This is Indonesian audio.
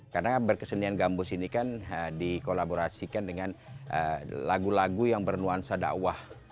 karena berkesenian gambus ini kan dikolaborasikan dengan lagu lagu yang bernuansa dakwah